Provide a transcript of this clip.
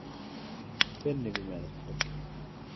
أخبرني بماذا تفكر.